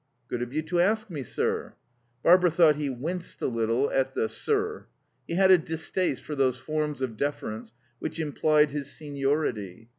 "Good of you to ask me, sir." Barbara thought he winced a little at the "sir." He had a distaste for those forms of deference which implied his seniority.